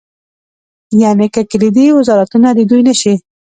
یعنې که کلیدي وزارتونه د دوی نه شي.